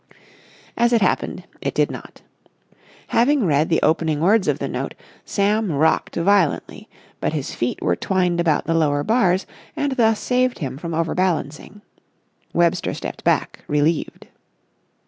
As it happened, it did not. Having read the opening words of the note, Sam rocked violently; but his feet were twined about the lower bars and this saved him from overbalancing. Webster stepped back, relieved.